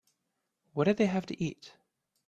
What did they have to eat?